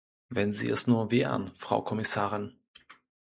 Wenn sie es nur wären, Frau Kommissarin!